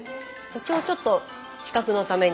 一応ちょっと比較のために。